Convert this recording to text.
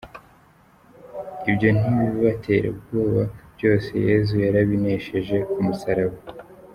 ibyo ntibibatere ubwobo byose Yesu yarabinesheje k’ Umusaraba .